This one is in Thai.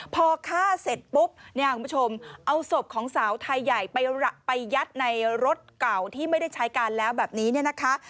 พอฆ่าเสร็จปุ๊บเนี่ยคุณผู้ชมเอาศพของสาวไทยใหญ่ไปยัดในรถเก่าที่ไม่ได้ใช้การแล้วแบบนี้เนี่ยนะคะ